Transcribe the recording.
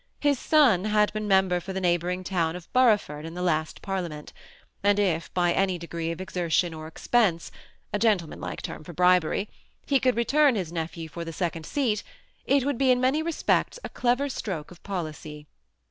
His son had been member for the neighboring town of Boroughford in the last Parlia ment ; and if by any degree of exertion or expense — THE SEMI ATTACHED COUPLE. 267 a gentlemanlike term for bribeiy — he could return his nephew for the second seat, it would be in many respects a clever stroke of policy.